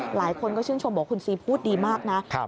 หลายคนก็ชื่นชมบอกคุณซีพูดดีมากนะ